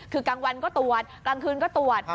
คือกลางวันก็ตรวจกลางคืนก็ตรวจ